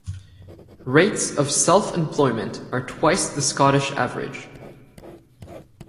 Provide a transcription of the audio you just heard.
Rates of self-employment are twice the Scottish average.